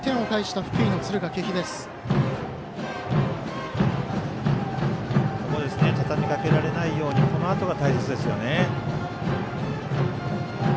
たたみかけられないようこのあとが大切ですね。